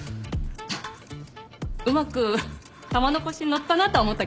うまく玉のこしに乗ったなとは思ったけど。